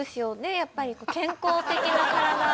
やっぱり健康的な体。